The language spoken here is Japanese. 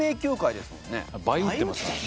倍打ってますからね。